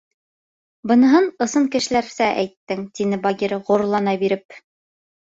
—- Быныһын ысын кешеләрсә әйттең, — тине Багира ғорурлана биреп.